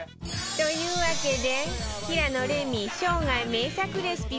というわけで平野レミ生涯名作レシピ